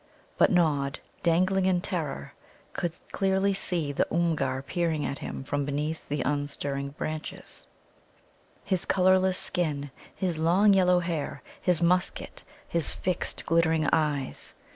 But Nod, dangling in terror, could clearly see the Oomgar peering at him from beneath the unstirring branches his colourless skin, his long yellow hair, his musket, his fixed, glittering eyes.